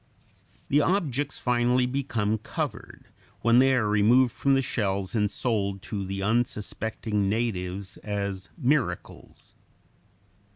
The objects finally become covered, when they are removed from the shells and sold to the unsuspecting natives as "miracles."